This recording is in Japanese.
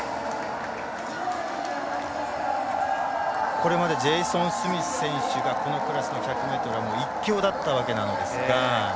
これまでジェイソン・スミス選手がこのクラスの１００ｍは１強だったんですが。